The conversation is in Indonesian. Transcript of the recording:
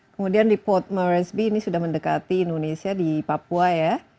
kemudian di port marisbe ini sudah mendekati indonesia di papua ya